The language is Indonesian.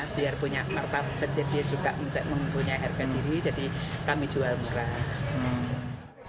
biar punya markah jadi dia juga mempunyai harga diri jadi kami jual murah